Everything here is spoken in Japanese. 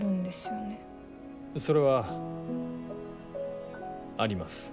それはあります。